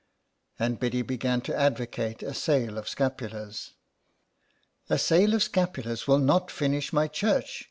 And Biddy began to advocate a sale of scapulars. " A sale of scapulars will not finish my church.